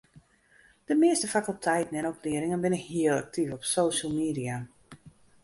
De measte fakulteiten en opliedingen binne hiel aktyf op social media.